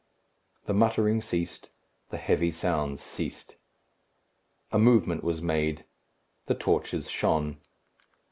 The muttering ceased; the heavy sounds ceased. A movement was made. The torches shone.